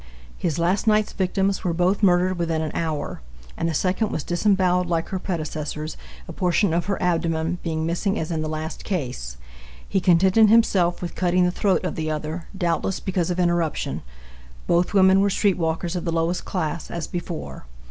His last night's victims were both murdered within an hour, and the second was disemboweled like her predecessors, a portion of her abdomen being missing as in the last case. He contented himself with cutting the throat of the other, doubtless because of interruption. Both women were street walkers of the lowest class, as before.